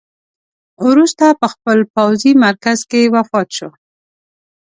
وروسته په خپل پوځي مرکز کې وفات شو.